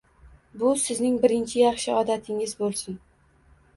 Bu sizning birinchi yaxshi odatingiz bo’lsin